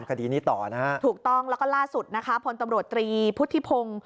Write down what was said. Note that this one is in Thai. ใช่ค่ะถูกต้องแล้วก็ล่าสุดนะครับพลตำรวจตรีพุทธิพงศ์